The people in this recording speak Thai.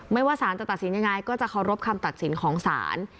ว่าสารจะตัดสินยังไงก็จะเคารพคำตัดสินของศาล